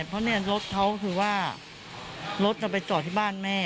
เพราะเนี่ยรถเขาคือว่ารถจะไปจอดที่บ้านแม่